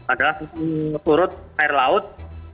adalah turut air laut